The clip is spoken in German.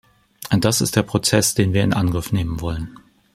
Das ist der Prozess, den wir in Angriff nehmen wollen.